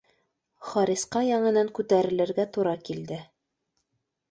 Харисҡа яңынан күтәрелергә тура килде